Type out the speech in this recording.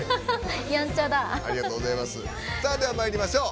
では、まいりましょう。